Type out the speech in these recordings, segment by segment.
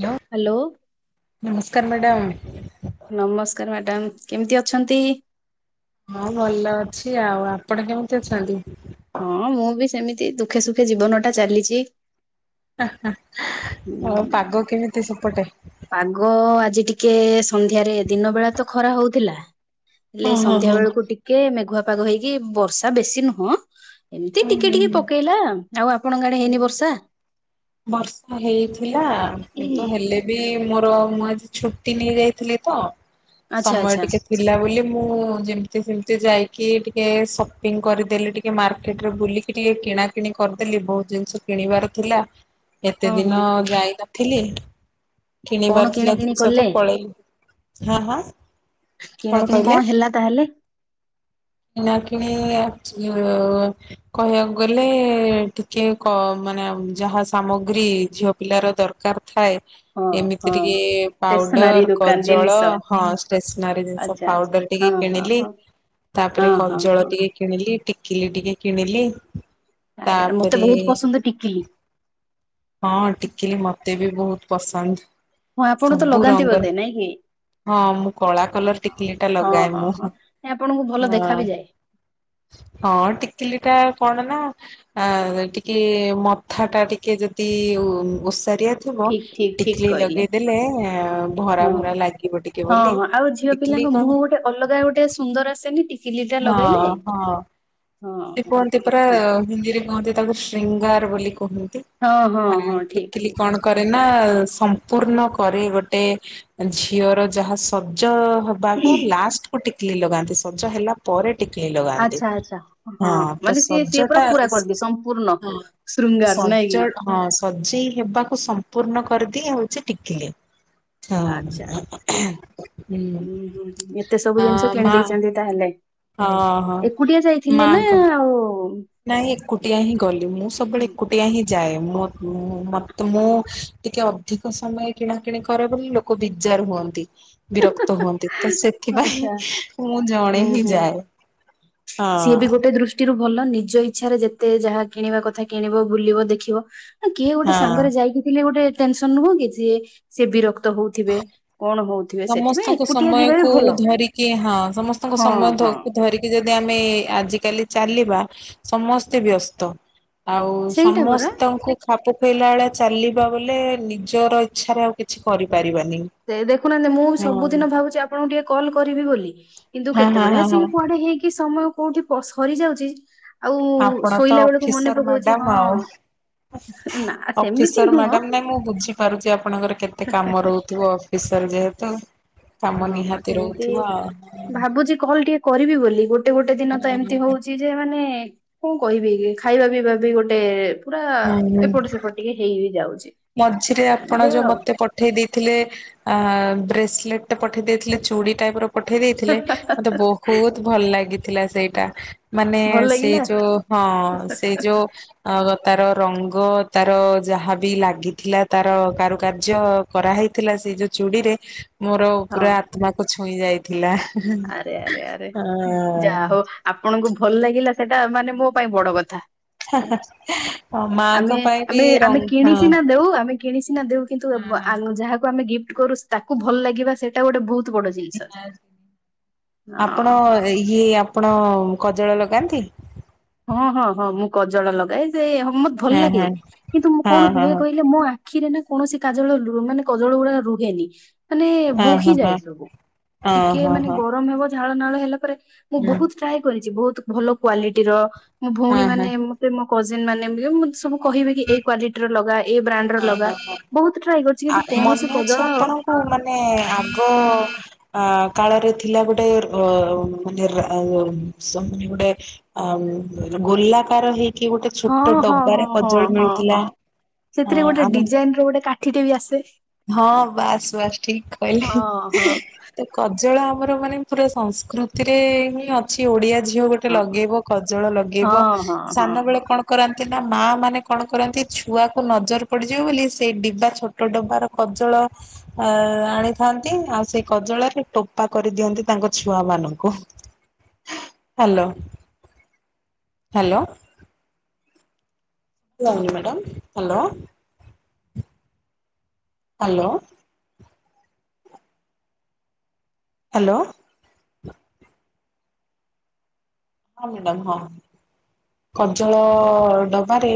Hello. Hello. ନମସ୍କାର madam. ନମସ୍କାର madam. କେମିତି ଅଛନ୍ତି? ହଁ ଭଲ ଅଛି ଆଉ। ଆପଣ କେମିତି ଅଛନ୍ତି? ହଁ ମୁଁ ବି ସେମିତି ଦୁଃଖେ ସୁଖେ ଜୀବନ ଟା ଚାଲିଚି। ଆଉ ପାଗ କେମିତି ସେପଟେ? ପାଗ ଆଜି ଟିକେ ସନ୍ଧ୍ୟାରେ ଦିନ ବେଳା ତ ଖରା ହଉଥିଲା। ହେଲେ ହଁ ହଁ ସନ୍ଧ୍ୟା ହଁ। ବେଳକୁ ଟିକେ ମେଘୁଆ ପାଗ ହେଇକି ବର୍ଷା ବେଶୀ ନୁହଁ। ଏମିତି ହୁଁ ଟିକେ ହୁଁ ଟିକେ ହୁଁ। ପକେଇଲା ଆଉ ଆପଣଙ୍କ ଆଡେ ହେଇନି ବର୍ଷା? ବର୍ଷା ହେଇଥିଲା କିନ୍ତୁ ହେଲେ ଏ ମୋର ମୁଁ ଆଜି ଛୁଟି ନେଇ ଯାଇଥିଲି ତ ଆଚ୍ଛା ସମୟ ଆଚ୍ଛା ଟିକେ ଥିଲା ବୋଲି ମୁଁ ଯେମିତି ସେମିତି ଯାଇକି ଟିକେ ସପିଂ କରିଦେଲି ଟିକେ ଟିକେ ମାର୍କେଟରେ ବୁଲିକି ଟିକେ କିଣାକିଣି କରିଦେଲି ବହୁତ ଜିନିଷ କିଣିବାର ଥିଲା। କେତେ ହଁ ହଁ ଦିନ ହଁ ଯାଇନଥିଲି କଣ କିଣିବାର କିଣା ଥିଲା କିିଣି ଜିନିଷ ତ କଲେ? ପଳେଇଲି। ହଁ ହଁ କିଣା କଣ କିିଣି କହିଲେ? ହେଲା ତାହେଲେ କିଣା କିଣି ଆଚିଓ କହିବାକୁ ଗଲେ ଟିକେ ମାନେ କ ଯାହା ସାମଗ୍ରୀ ଝିଅ ପିଲାର ଦରକାର ଥାଏ। ହଁ ଏମିତିରେ ହଁ। କି ଷ୍ଟେସନାରୀ ପାଉଡର, ଦୋକାନ କଜଳ, ଜିନିଷ ହଁ ଷ୍ଟେସନାରୀ ଜିନିଷ ଆଚ୍ଛା ଆଚ୍ଛା ପାଉଡର ଟିକେ ହଁ ହଁ କିଣିଲି ହଁ। ତାପରେ ହଁ ହଁ କଜଳ ହଁ। ଟିକେ କିଣିଲି ଟିକିଲି ଟିକେ କିଣିଲି। ଆରେ ମତେ ତାପରେ ବହୁତ ପସନ୍ଦ ଟିକିଲି। ହଁ ଟିକିଲି ମତେ ବି ବହୁତ ପସନ୍ଦ। ହଁ ଆପଣ ତ ସବୁ ଲଗାନ୍ତି ରଙ୍ଗର ବୋଧେ ନାଇଁ କି? ହଁ ମୁଁ କଳା କଲର ହଁ ଟିକଲି ଟା ହଁ ଲଗାଏ ହଁ ମୁଁ ହଁ ନାଇଁ ଆପଣଙ୍କୁ ଭଲ ହଁ। ଦେଖା ବି ଯାଏ ହଁ ଟିକିଲି ଟା କୁହନି ନା ଆ ଟିକେ ମଥା ଟା ଟିକେ ଯଦି ଓ ଓସାରିଆ ଥିବ ଠିକ ଠିକ ଠିକ ଟିକିଲି କହିଲେ ଲଗେଇଦେଲେ ଭରା ହଁ ଭରା ଲାଗିବ ଟିକେ ହଁ ବୋଲି ହଁ ଆଉ ଝିଅ ଟି ପିଲାଙ୍କ ମୁହଁ ଗୋଟେ ଅଲଗା ଗୋଟେ ସୁନ୍ଦର ଆସେନି ଟିକିଲି ଟା ହଁ ଲଗାଇଲେ? ହଁ କୁହନ୍ତି ପରା ହିନ୍ଦୀରେ କୁହନ୍ତି ତାକୁ ଶୃଙ୍ଗାର ବୋଲି କୁହନ୍ତି। ହଁ ଟିକିଲି କଣ କରେ ନା ସମ୍ପୂର୍ଣ କରେ ଗୋଟେ ଝିଅର ଯାହା ସଜ ହ ବାକୁ ଲାଷ୍ଟ କୁ ଟିକିଲିି ଲଗାନ୍ତି ସଜ ହେଲା ପରେ ଟିକିଲିି ଆଚ୍ଛା ଲଗାନ୍ତି। ଆଚ୍ଛା ହଁ ତ ମାନେ ସିଏ ସିଏ ପୁରା ସଜଟା ପୁରା ହଁ କରିଦିଏ ସମ୍ପୂର୍ଣ୍ଣ ଶୃଙ୍ଗାର ନାଇଁ କି ସଜ ହଁ ସଜେଇ ହେବାକୁ ସମ୍ପୂର୍ଣ୍ଣ କରିଦିଏ ହଉଚି ଟିକିଲି। ହଁ ଆଚ୍ଛା ହୁଁ ଅ ମା ଦା ହେଲେ ହଁ ହ ମା ଙ୍କ ଆଉ ନାଇଁ ଏକୁଟିଆ ହିଁ ଗଲି ମୁଁ ସବେଳେ ଏକୁଟିଆ ହିଁ ଯାଏ ମ ମୁ ମତେ ମୁଁ ଟିକେ ଅଧିକ ସମୟ କିଣା କିଣି କରେ ବୋଲି ଲୋକ ବିଜାର ହୁଅନ୍ତି। ବିରକ୍ତ ହୁଅନ୍ତି ତ ସେଥିପାଇଁ ଆଚ୍ଛା ମୁଁ ହୁଁ ଜଣେ ହିଁ ହୁଁ ଯାଏ। ହଁ। ଟିରୁ ଗଲ ନିଜ ଇଚ୍ଛାରେ ଯେତେ ଯାହା କିଣିବା କଥା କିଣିବ ବୁଲିବ ଦେଖିବ। ନା କିଏ ଗୋଟେ ହଁ। ସାଙ୍ଗରେ ଯାଇକି ଥିଲେ ଗୋଟେ ଟେନସନ ନୁହଁ କି ଯିଏ ସେ ବିରକ୍ତ ହଉଥିବେ କଣ ହଉ ସମସ୍ତଙ୍କ ସମୟ କୁ ଧରିକି ହଁ ସମସ୍ତଙ୍କ ସମୟ ହଁ ଧ ହଁ। ଧରିକି ଯଦି ଆମେ ଆଜିକାଲି ଚାଲିବା ସମସ୍ତେ ବ୍ୟସ୍ତ ଆଉ ସେଇଟା ପରା ସମସ୍ତଙ୍କୁ ଖାପ ଖୁଆଇଲା ବଳିଆ ଚାଲିବା ବୋଲେ ନିଜର ଇଚ୍ଛାରେ ଆଉ କିଛି କରିପାରିବାନି। ସେ ଦେଖୁନାହାନ୍ତି ମୁଁ ହଁ ସବୁଦିନ ଭାବୁଛି ଆପଣଙ୍କୁ ଟିକେ କଲ୍ କରିବି ବୋଲି। କିନ୍ତୁ ହଁ ହଁ କେତେବେଳେ ହଁ ହଁ ଆସିକି କୁଆଡେ ହେଇକି ସମୟ କୋଉଠି ପ ସରିଯାଉଛି ଆଉ ଆପଣ ତ ଶୋଇଲା ବେଳକୁ ମନେ ଅଫିସର ପକଉଛି ମ୍ୟାଡାମ ହଁ। ଆଉ। ନା ସେମିତି ଅଫିସର ନୁହଁ ମ୍ୟାଡାମ ନାଇଁ ମୁଁ ବୁଝିପାରୁଛି ଆପଣଙ୍କର କେତେ କାମ ରହୁଛି। ଥିବ ଅଫିସର ଯେହେତୁ। କାମ ହଁ ନିହାତି ସେମିତି ରହୁଥିବ ଆଉ। ଭାବୁଛି କଲ ଟିକେ କରିବି ବୋଲି ଗୋଟେ ଗୋଟେ ଦିନ ତ ଏମିତି ହଉଛି ଯେ ମାନେ କଁ କହିବି କି ଖାଇବା ପିଇବା ବି ଗୋଟେ ପୁରା ହୁଁ ହୁଁ। ଏପଟ ସେପଟ ଟିକେ ହେଇ ବିି ଯାଉଛି। ମଝିରେ ଆପଣ ଏମିତି ଯୋଉ ଆଉ ମତେ ପ ପଠେଇ ଦେଇଥିଲେ ଆ ବ୍ରେସଲେଟା ପଠେଇ ଦେଇଥିଲେ ଚୁଡ଼ି ଟାଇପ ର ପଠେଇ ଦେଇଥିଲେ ମତେ ବହୁତ ଭଲ ଲାଗିଥିଲା ସେଇଟା ମାନେ ଭଲ ସେଇ ଲାଗିଲା ଯୋଉ ହଁ ସେଇ ଯୋ ଅ ତାର ରଙ୍ଗ ତାର ଯାହାବି ଲା ଲାଗିଥିଲା ତାର କାରୁକାର୍ଯ୍ୟ କରାହେଇଥିଲା ସେ ଯୋଉ ଚୁଡିରେ ମୋର ହଁ। ପୁରା ତମକୁ ଛୁଇଁ ଯାଇଥିଲା ଆରେ ଆରେ ଆରେ ହଁ ଯାହା ହଉ ଆପଣଙ୍କୁ ଭଲ ଲାଗିଲା ସେଇଟା ମାନେ ମ ପାଇଁ ବଡ କଥା ହଁ ଆମେ ମାଙ୍କ ପାଇଁ ବି ଆମେ ଆମେ ରଙ୍ଗ କିଣି ହଁ ସିନା ଦଉ ଆମେ କିଣି ସିନା ଦେଉ କିନ୍ତୁ ବ୍ ଆ ଯାହାକୁ ଆମେ ଗିଫ୍ଟ କରୁ ତାକୁ ଭଲ ଲାଗିବା ସେ ଟା ଗୋଟେ ବହୁତ ବଡ ଜିନସ୍ ଯେ। ଆପଣ ହଁ ଇଏ ଆପଣ କଜଳ ଲଗାନ୍ତି। ହଁ ହଁ ହଁ ମୁଁ କଜଳ ଲଗାଏ ସେ ମତେ ଭଲ ହଁ ଲାଗେ ହଁ କିନ୍ତୁ ମୁଁ କଣ ହଁ ହଁ ହୁଏ ହଁ। କହିଲେ ମୋ ଆ ଆଖିରେ ନା କୌଣସି କାଜଳ ମାନେ କଜଳ ଗୁଡା ରୁହେନି। ମାନେ ଓହୋ ହୋ ବୋହିଯାଏ ସବୁ ଟିକେ ଓହୋ ମାନେ ହୋ। ଗରମ ହବ ଝାଳ ନାଳ ହେଲା ପରେ ମୁଁ ହୁଁ। ବହୁତ ଟ୍ରାଏ କରିଛି ବହୁତ ଭଲ କ୍ଵାଲିଟିର ମୋ ଭଉଣୀ ହଁ ହଁ ମାନେ ମତେ ମୋ କଜିନ୍ ମାନେ ମତେ ସବୁ କହିବି କି ଏଇ କ୍ଵାଲିଟି ର ଲଗା ଏ ବ୍ରାଣ୍ଡ ର ଲଗା ଓହୋ ହୋ ବହୁତ ଟ୍ରାଏ କରିଛି କିନ୍ତୁ କୌଣସି କଜଳ ହ ମାନେ ଆଗ ଅ କାଳରେ ଥିଲା ଗୋଟେ ଅ ମାନେ ରା ମାନେ ଗୋଟେ ଆ ଗୋଲାକାର ହେଇ ହଁ, ହଁ, ହଁ, ହଁ, ହଁ, ମିଳୁଥିଲା ହଁ, ଆ ସେଥିରେ ଗୋଟେ ଆମ ଡିଜାଇନ ର ଗୋଟେ କାଠିଟେ ବି ଆସେ। ହଁ ବାସ୍ ବାସ୍ ଠିକ ହଁ ହଁ କହିଲେ। କଜଳ ଆମର ମାନେ ପୁରା ସଂସ୍କୃତିରେ ହିଁ ଅଛି, ଓଡିଆ ଝିଅ ଗୋଟେ ଗଟେ ହଁ। ଲଗେଇବ କଜଳ ହଁ ଲଗେଇବ ହଁ ହଁ ସାନ ହଁ। ବେଳେ କଣ କରନ୍ତି ନା ମା ମାନେ କଣ କରନ୍ତି ଛୁଆକୁ ନଜର ପଡିଯିବ ବୋଲି ସେଇ ଡିବା ଛୋଟ ଡବାର କଜଳ ଅ ଆଣିଥାନ୍ତି ଆଉ ସେଇ କଜଳରେ ଟୋପା କରିଦିଅନ୍ତି, ତାଙ୍କ ଛୁଆ ମାନଙ୍କୁ ହ୍ୟାଲୋ, ହ୍ୟାଲୋ। ଲାଗୁନି ମ୍ୟାଡ଼ାମ ହ୍ୟାଲୋ। ହାଲୋ। ହାଲୋ। ହଁ ମ୍ୟାଡ଼ାମ ହଁ। କଜଳ ଡବାରେ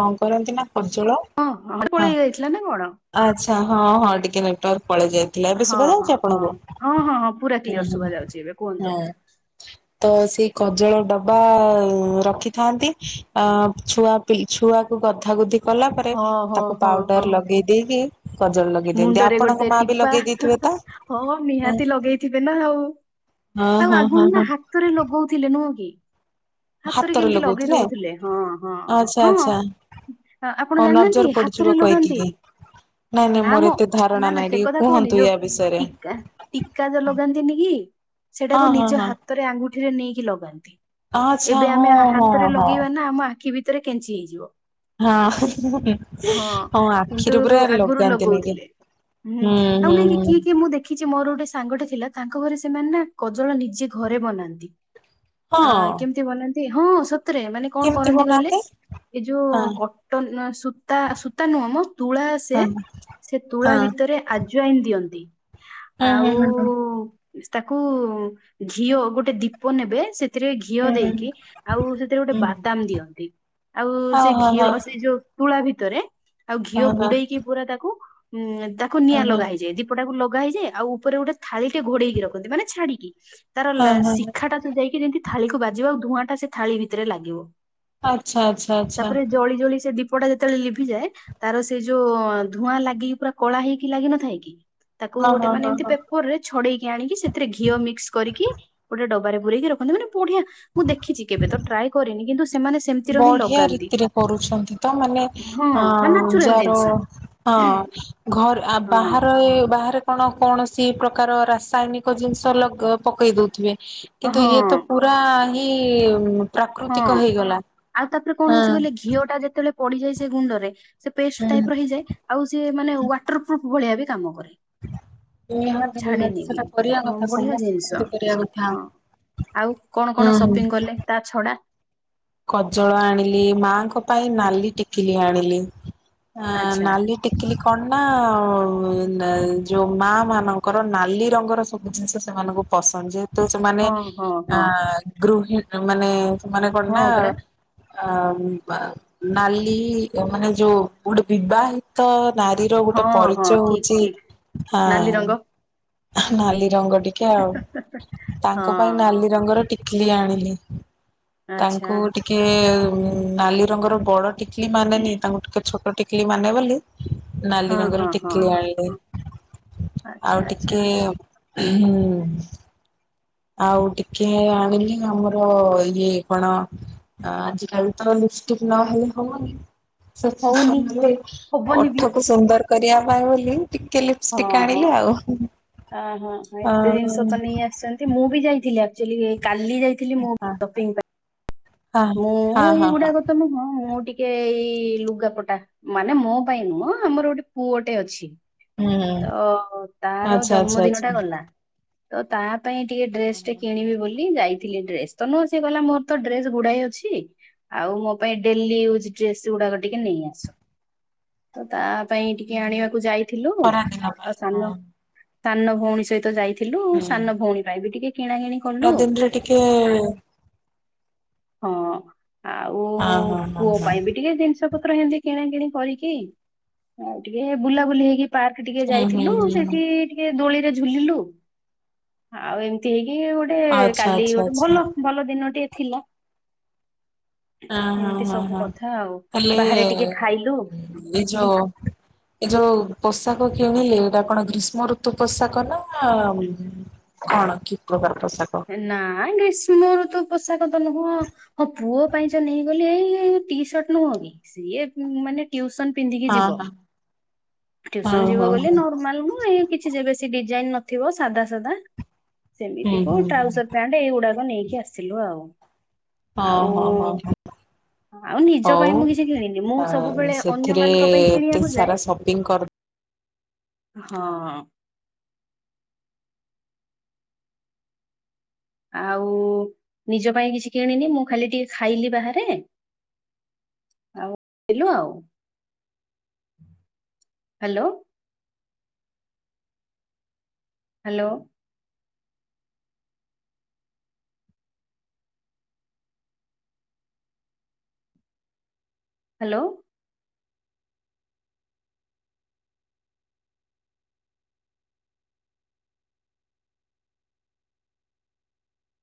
କଣ କରନ୍ତି ନା କଜଳ ହଁ [unintelligible] ହଁ ପଳେଇ ଯାଇଥିଲା ନା କଣ? ଆଚ୍ଛା ହଁ ହଁ ଟିକେ ନେଟୱାର୍କ ପଳେଇଯାଇ ଥିଲା। ଏବେ ହଁ ହଁ ଶୁଭାଯାଉଚି ହଁ ଆପଣଙ୍କୁ? ହଁ ହଁ ହଁ ପୁରା ଉଁ କ୍ଲିୟର ହୁଁ ଶୁଭା ଯାଉଛି ଏବେ କୁହନ୍ତୁ। ହଁ। ତ ସେଇ କଜଳ ଡବା ରଖିଥାନ୍ତି। ଅ ଛୁଆ ପି ଛୁଆକୁ ଗଧା ଗୁଧି କଲା ପରେ ହଁ ହଁ ତାକୁ ହଁ ହଁ ପାଉଡର ଲଗେଇ ଦେଇକି କଜଳ ଲଗେଇ ଦିଅନ୍ତି। ମୁଣ୍ଡରେ ଆପଣଙ୍କ ଗୋଟେ ମା ବି ଟିପା। ଲଗେଇ ଦେଇଥିବେ ତ? ହଁ ହଁ ନିହାତି ଲଗେଇଥିବେ ନା। ଆଉ ହଁ ହଁ ଆଗୁରୁ ହଁ ନା ହା ହାତ ରେ ଲଗଉଥିଲେ ନୁହଁ କି। ହାତରେ କେମିତି ଲଗେଇ ଦଉଥିଲେ। ହଁ, ହଁ, ହଁ, ଆଚ୍ଛା ଆଚ୍ଛା। ହଁ। ଆପଣ ହଁ ଜାଣିନାହାନ୍ତି ନଜର ପଡିଯିବ ହାତରେ କହିକି ଲଗାନ୍ତି। କି ନାଇଁ ନାଇଁ ନା ମୋର ମୋ ଏତେ ଧାରଣା ନା ନା ନାଇଁ ସେ ଟିକେ କଥା କହୁନି କୁହନ୍ତୁ ଯୋଉ ୟା ବିଷୟରେ। ଟିକା ଟିକା ଯୋଉ ଲଗାନ୍ତିନି କି ହଁ ସେଟାକୁ ହଁ ନିଜ ହଁ ହାତରେ ଆଙ୍ଗୁଠିରେ ନେଇକି ଲଗାନ୍ତି। ଆଚ୍ଛା ଏବେ ହଁ ଆମେ ହଁ ହାତରେ ହଁ। ଲଗେଇବା ନା ଆମ ଆଖି ଭିତରେ କେଞ୍ଚି ହେଇଯିବ। ହଁ। ହଁ ଆଖିରେ ପୁରା ଲଗାନ୍ତି। ନେଇକି। କହୁଥିଲେ। ହୁଁ ଆଉ ହୁଁ ନାଇଁ କି ହୁଁ କିଏ କିଏ ମୁଁ ଦେଖ ଦେଖିଚି ମୋର ଗୋଟେ ସାଙ୍ଗଟେ ଥିଲା ତାଙ୍କ ଘରେ ସେମାନେ ନା କଜଳ ନିଜେ ଘରେ ବନାନ୍ତି। ଅ ହଁ କେମିତି ବନାନ୍ତି ହଁ ସତରେ ମାନେ କଣ କେମିତି କରନ୍ତି କହିଲେ? ବନାନ୍ତି? ଏଇ ଯୋଉ ହଁ କଟନ୍ ସୂତା ସୂତା ନୁହଁ ମ ତୁଳା ଆସେ ହଁ ସେ ତୁଳା ହଁ ଭିତରେ ଆଜୁଆଇନ ଦିଅନ୍ତି। ହୁଁ ଆଉ ହୁଁ ହୁଁ ତାକୁ ଘିଅ ଗୋଟେ ଦୀପ ନେବେ, ସେ ସେଥିରେ ଘିଅ ହୁଁ ହୁଁ ଦେଇକି ଆଉ ସେଥିରେ ଗୋଟେ ହୁଁ। ବାଦାମ ଦିଅନ୍ତି। ଆଉ ହଁ ସେ ହଁ ହଁ ଘିଅ ସେଇ ଯୋଉ ତୁଳା ଭିତରେ ଆଉ ହଁ ଘିଅ ହଁ ବୁଡେଇକି ପୁରା ତା ଉଁ ତାକୁ ନିଆଁ ହଁ ଲଗା ହେଇଯାଏ। ଦି ଦୀପଟାକୁ ଲଗା ହେଇଯାଏ। ଆଉ ଉପରେ ଗୋଟେ ଥାଳି ଟେ ଘୋଡେଇକି ରଖନ୍ତି ମାନେ ଛାଡିକି। ତାର ହଁ ହଁ ହଁ। ଶିଖା ଟା ସେ ଯାଇକି ଯେମିତି ଥାଳି କୁ ବାଜିବ ଆଉ ଧୂଆଁ ଟା ସେ ଥାଳି ଭିତରେ ଲାଗିବ। ଆଚ୍ଛା ଆଚ୍ଛା ଆଚ୍ଛା। ତାପରେ ଜଳି ଜଳି ସେ ଦୀପଟା ଯେତେବେଳେ ଲିଭିଯାଏ ତାର ସେ ଯୋଉ ଧୂଆଁ ଲାଗିକି ପୁରା କଳା ହେଇକି ଲାଗିନଥାଏ କି ତାକୁ ହଁ ଗୋଟେ ହଁ ମାନେ ହଁ ଏମତି ହଁ। ପେ ପେପର୍ ରେ ଛଡେଇକି ଆଣିକି ସେଥିରେ ଘିଅ ମିକ୍ସ କରିକି ଗୋଟେ ଡବାରେ ପୁରେଇକି ରଖନ୍ତି ମାନେ ବଢିଆ ମୁଁ ଦେଖିଚି। କେବେ ତ ଟ୍ରାଏ କରିନି। କିନ୍ତୁ ସେମାନେ ସେମିତିର ହିଁ ବଢିଆ ଲଗାନ୍ତି। ରୀତିରେ କରୁଛନ୍ତି ତ। ମାନେ ହଁ ମାନେ ଅ ନାଚୁରାଲ ଯାହାର ଜିନିଷ ହଁ ଘରେ ହଁ ବାହାରେ ବାହାରେ ଆପଣ କୌଣସି ପ୍ରକାର ରାସାୟନିକ ଜିନିଷ ଲଗ୍ ପକେଇ ଦଉଥିବେ। କିନ୍ତୁ ହଁ ଇଏ ତ ପୁରା ପୁରା ହିଁ ହଁ ପ୍ରାକୃତିକ ହେଇଗଲା। ଆଉ ତାପରେ କଣ ହଁ ହଉଛି କହିଲେ ଘିଅ ଟା ଯେତେବେଳେ ପଡିଯାଏ ସେ ଗୁଣ୍ଡ ରେ ସେ ପେଷ୍ଟ ହୁଁ ଟାଇପ୍ ର ହେଇଯାଏ। ଆଉ ସିଏ ମାନେ ୱାଟର ପ୍ରୁଫ୍ ଭଳିଆ ବି କାମ କରେ। ନିହାତି ନିହାତି ଛାଡେନି ବି। ସେଟା କରିବା କଥା ବଢିଆ ସମସ୍ତେ ଜିନିଷ ସେମିତି କରିବା କଥା। ହଁ। ଆଉ କଣ କଣ ହୁଁ ସପିଂ କଲେ ତା ଛଡା? କଜଳ ଆଣିଲି ମାଙ୍କ ପାଇଁ ନାଲି ଟିକିଲି ଆଣିଲି। ଆ ଆଚ୍ଛା ନାଲି ଟିକିଲି କଣ ନା, ଯେଉଁ ମାଆ ମାନଙ୍କର ନାଲି ରଙ୍ଗର ସବୁ ଜିନିଷ ସେମାନଙ୍କୁ ପସନ୍ଦ। ଯେହେତୁ ସେମାନେ ହଁ ହଁ ଆ ହଁ ଗୃହିଣୀ ମାନେ ସେମାନେ କଣ ନା ହଁ ପରା ଆ ବା ନାଲି ମାନେ ଯୋଉ ଗୋଟେ ବିବାହିତ ନାରୀ ଗୋଟେ ହଁ ହଁ ପରିଚୟ ଠିକ ହଉଚି ଠିକ ନାଲି ରଙ୍ଗ ହଁ ନାଲି ରଙ୍ଗ ଟିକେ ଆଉ। ତାଙ୍କ ପାଇଁ ନାଲି ହଁ ରଙ୍ଗର ଟିକିଲି ଆଣିଲି। ଆଚ୍ଛା ତାଙ୍କୁ ଟିକେ ନାଲି ରଙ୍ଗର ବଡ ଟିକିଲି ମାନେନି ତାଙ୍କୁ ଟିକେ ଛୋଟ ଟିକ୍ କିଲି ମାନେ ବୋଲି ନାଲି ହଁ ରଙ୍ଗର ହଁ ହଁ ଟିକଲି ଆଣିଲ ହଁ ଆଚ୍ଛା ଆଉ ଆଚ୍ଛା ଟିକେ [inaudible] ଆଉ ଟିକେ ଆଣିଲି ଆମର ଇଏ କଣ? ଆଜ କାଲି ତ ଲିପଷ୍ଟିକ ନହେଲେ ହବନି। ସେ ହଉନି ହବନି ବି ଓଠକୁ ସୁନ୍ଦର କରିବା ପାଇଁ ବୋଲି ଟିକେ ଲ ହଁ ହଁ ହଁ ଅ ହଁ ହ ଏତେ ଜିନିଷ ତ ହଁ ନେଇ ଆସଛନ୍ତି। ମୁଁ ବି ଯାଇଥିଲି ଆଚୁଆଲି କାଲି ଯାଇଥିଲି ମୁଁ ସପିଂ ପାଇଁ। ହଁ ମୁଁ ହଁ ହଁ ଏଇଗୁଡାକ ତ ନୁହଁ ମୁଁ ଟିକେ ଏଇ ଲୁଗାପଟା। ମାନେ ମୋ ପାଇଁ ନୁହଁ ଆମର ଗୋଟେ ପୁଅଟେ ଅଛି। ହୁଁ ତ ତାର ଆଚ୍ଛା ଆଚ୍ଛା ଜନ୍ମଦିନ ଆଚ୍ଛା ଟା ଗଲା ତ ତା ପାଇଁ ଟିକେ ଡ୍ରେସ ଟେ କିଣିବି ବୋଲି ଯାଇଥିଲି ଡ୍ରେସ୍ ତ ନୁହଁ ସଏ ଗଲା ମୋର ତ ଡ୍ରେ ଗୁଡାଏ ଅଛି ଆଉ ମୋ ପାଇଁ ଡେଲି ୟୁଜ ଡ୍ରେସ୍ ଗୁଡାକ ଟିକେ ନେଇ ଆସ। ତ ତା ପାଇଁ ଟିକେ ଆଣିବାକୁ ଯାଇଥିଲୁ ଖରା ଦିନ ପାଇଁ ଆଉ ସାନ ହଁ ସାନ ଭଉଣୀ ସହିତ ଯାଇଥିଲୁ ସାନ ଭଉଣୀ ପାଇଁ ବି ଟିକେ କିଣା କିିଣି କଲୁ ନ ଦିନରେ ଟିକେ ହଁ ଆଉ ହଁ ହଁ ହଁ ପୁଅ ହଁ ପାଇଁ ବି ଟିକେ ଜିନିଷ ଜିନିଷ ପତ୍ର ଏମତି କିଣା କିିଣି କରିକି ଆଉ ଟିକେ ବୁଲାବୁଲି ହେଇକି ପାର୍କ ଟିକେ ହୁଁ ହୁଁ ଯାଇଥିଲୁ ହୁଁ ହୁଁ ସେଠି ଟିକେ ଦୋଳିରେ ଝୁଲିଲୁ ଆଉ ଏମିତି ହେଇକି ଗୋଟେ ଆଚ୍ଛା କାଲି ଆଚ୍ଛା ଗୋଟେ ଆଚ୍ଛା ଭଲ ଭଲ ଦିନଟିଏ ଥିଲା। ହଁ ହଁ ଏମିତି ହଁ ସବୁ ହଁ କଥା ଆଉ ହେଲେ ବାହାରେ ଟିକେ ଖାଇଲୁ ଏ ଯୋ ଏଇ ଯୋଉ ପୋଷାକ କିଣିଲେ ଏଇଟା କଣ ଗ୍ରୀଷ୍ମ ଋତୁ ପୋଷାକ ନା କଣ କି ପ୍ରକାର ପୋଷାକ? ନା ଗ୍ରୀଷ୍ମ ର ତ ପୋଷାକ ତ ନୁହଁ। ହଁ ପୁଅ ପାଇଁ ଯ ନେଇଗଲି ଏଇ ଟି ସର୍ଟ ନୁହଁ କି ସିଏ ମାନେ ଟ୍ୟୁସନ ପିନ୍ଧିକି ଯିବ। ହଁ ହଁ ଟ୍ୟୁସନ ହଁ ହଁ ଯିବ ହଁ ବୋଲି ନର୍ମାଲ ମ ଏଇ କିଛି ଯେବେ ଡିଜାଇନ ନଥିବ ସାଧା ସାଧା। ହୁଁ ସେମିତିକୁ ହୁଁ ଟ୍ରାଉଜର ପ୍ୟାଣ୍ଟ ଏଇଗୁଡାକ ନେଇକି ଆସିଲୁ ଆଉ ହଁ ଆଉ ହଁ ହଁ ହଁ ଆଉ ନିଜ ହଉ ପାଇଁ ମୁଁ କିଛି କିଣିନି ମୁଁ ସବୁବେଳେ ସେଥିରେ ଅନ୍ୟମାନଙ୍କ ପାଇଁ ଏତେ କିଣିବାକୁ ଯାଏ ସାରା ସପିଙ୍ଗ କର। ହଁ ଆଉ ନିଜ ପାଇଁ କିଛି କିଣିନି ମୁଁ ଖାଲି ଟିକେ ଖାଇଲି ବାହାରେ ଆଉ ଥିଲୁ ଆଉ। Hello hello hello